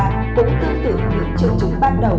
cũng tương tự những triệu chứng ban đầu